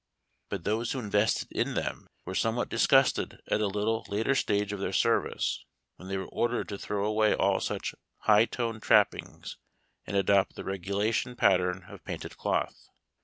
But those who invested in them were somewhat disgusted at a little later stage of their service, when they were ordered to throw away all such " high toned " trappings and adopt the regu lation pattern of painted cloth.